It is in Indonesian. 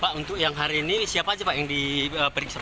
pak untuk yang hari ini siapa saja yang diperiksa